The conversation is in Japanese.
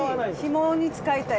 ヒモに使いたい。